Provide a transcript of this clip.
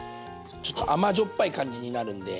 ちょっと甘じょっぱい感じになるんで。